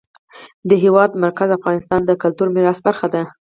د هېواد مرکز د افغانستان د کلتوري میراث برخه ده.